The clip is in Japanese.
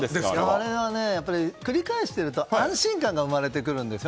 あれは繰り返していると安心感が生まれてくるんですよ。